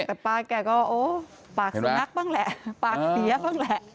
แต่ป้าแกก็โอ้ปากสุนัขบ้างแหละปากเสียบ้างแหละ